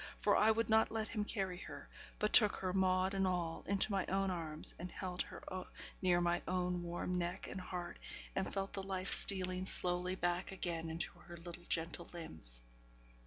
for I would not let him carry her; but took her, maud and all, into my own arms, and held her near my own warm neck and heart, and felt the life stealing slowly back again into her little gentle limbs.